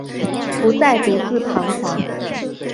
不再独自徬惶